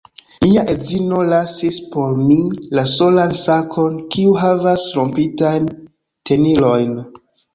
Mia edzino lasis por mi la solan sakon kiu havas rompitajn tenilojn